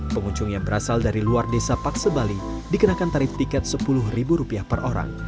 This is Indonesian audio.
pengunjung yang berasal dari luar desa paksebali dikenakan tarif tiket rp sepuluh per orang